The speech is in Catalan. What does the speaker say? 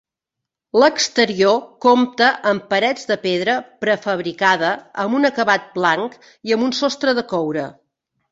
L'exterior compta amb parets de pedra prefabricada amb un acabat blanc i amb un sostre de coure.